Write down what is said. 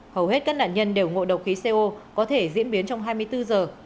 hầu hết các nạn nhân đều ngộ độc khí co có thể diễn biến trong hai mươi bốn giờ